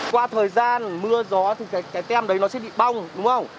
qua thời gian mưa gió thì cái tem đấy nó sẽ bị bong đúng không